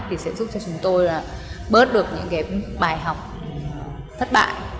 thì sẽ giúp cho chúng tôi bớt được những bài học thất bại